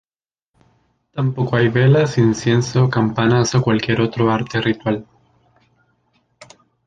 Tampoco hay velas, incienso, campanas o cualquier otro arte ritual.